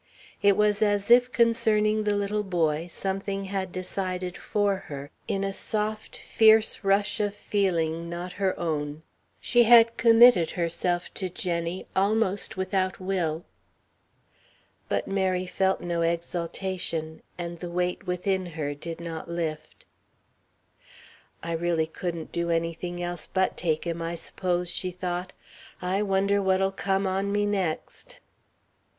It was as if concerning the little boy, something had decided for her, in a soft, fierce rush of feeling not her own. She had committed herself to Jenny almost without will. But Mary felt no exultation, and the weight within her did not lift. "I really couldn't do anything else but take him, I s'pose," she thought. "I wonder what'll come on me next?"